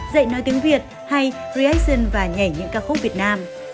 dạy nói tiếng việt hay rison và nhảy những ca khúc việt nam